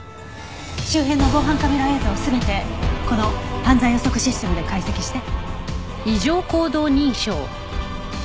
周辺の防犯カメラ映像を全てこの犯罪予測システムで解析して。